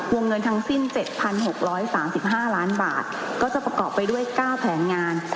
วงเงินทั้งสิ้น๗๖๓๕ล้านบาทก็จะประกอบไปด้วย๙แผนงาน